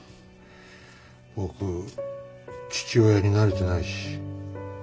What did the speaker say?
僕父親になれてないし。